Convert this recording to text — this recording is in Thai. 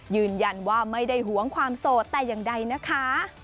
ยืนยันว่าไม่ได้หวงความโสดแต่อย่างใดนะคะ